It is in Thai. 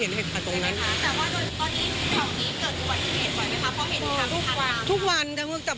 คือล้มไปนิดหน่อยก็หลอกอะไรอย่างนี้คือจบ